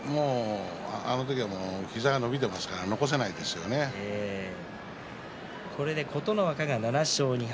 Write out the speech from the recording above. あの時は膝が伸びていましたからこれで琴ノ若が７勝２敗。